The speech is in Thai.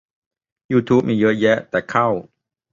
ยูทูบมีเยอะแยะ แต่เข้า